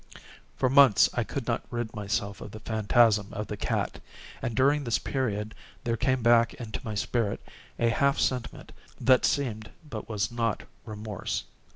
For months I could not rid myself of the phantasm of the cat; and, during this period, there came back into my spirit a half sentiment that seemed, but was not, remorse.